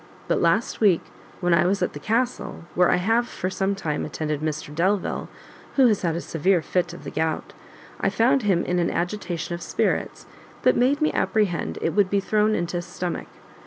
But last week, when I was at the Castle, where I have for some time attended Mr Delvile, who has had a severe fit of the gout, I found him in an agitation of spirits that made me apprehend it would be thrown into his stomach.